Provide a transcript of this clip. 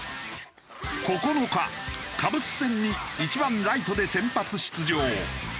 ９日カブス戦に１番ライトで先発出場。